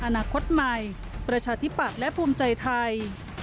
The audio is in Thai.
อนาคตใหม่ประชาธิปัตย์และภูมิใจไทย